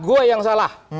gue yang salah